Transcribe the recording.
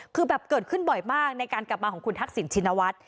คือแบบเกิดขึ้นบ่อยมากในการกลับมาของคุณทักษิณชินวัฒน์